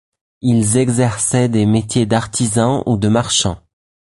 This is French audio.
Ils exerçaient des métiers d'artisans ou de marchands.